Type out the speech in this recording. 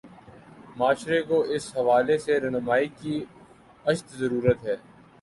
معاشرے کو اس حوالے سے راہنمائی کی اشد ضرورت ہے۔